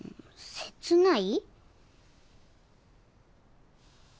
切ない！